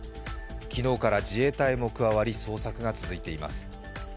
昨日から自衛隊も加わり捜索が続いています。